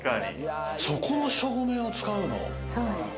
そこの照明を使うの？